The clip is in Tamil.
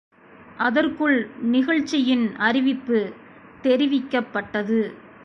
அதற்குள் நிகழ்ச்சியின் அறிவிப்பு தெரிவிக்கப்பட்டது.